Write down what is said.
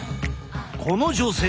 この女性